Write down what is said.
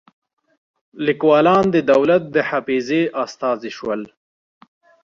لیکوال د دولت د حافظې استازي شول.